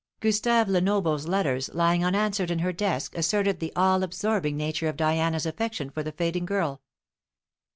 Gustave Lenoble's letters lying unanswered in her desk asserted the all absorbing nature of Diana's affection for the fading girl.